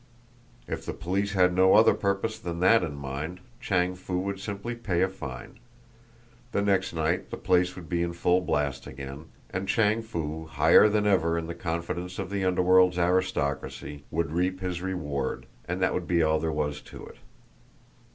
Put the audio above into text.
If the police had no other purpose than that in mind, Chang Foo would simply pay a fine; the next night the place would be in full blast again; and Chang Foo, higher than ever in the confidence of the underworld's aristocracy, would reap his reward and that would be all there was to it.